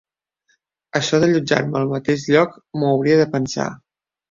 Això d'allotjar-me al mateix lloc m'ho hauria de pensar.